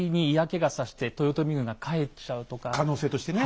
可能性としてね。